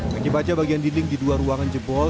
kekibatnya bagian dinding di dua ruangan jempol